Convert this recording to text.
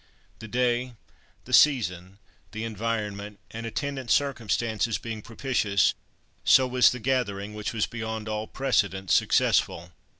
The day, the season, the environment and attendant circumstances being propitious, so was the gathering, which was beyond all precedent successful.